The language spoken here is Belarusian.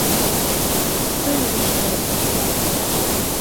Што ён за чалавек?